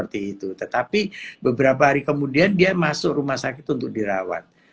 tetapi beberapa hari kemudian dia masuk rumah sakit untuk dirawat